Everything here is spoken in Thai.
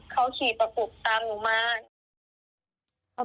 เขาขี่ประกบตามหนูมา